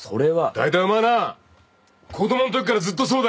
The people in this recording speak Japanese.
だいたいお前な子供のときからずっとそうだよ。